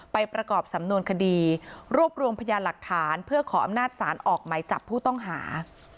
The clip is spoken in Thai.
ประกอบสำนวนคดีรวบรวมพยานหลักฐานเพื่อขออำนาจศาลออกไหมจับผู้ต้องหา